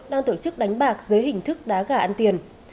đang tổ chức đánh bạc dưới hình thức đá gà ăn tiền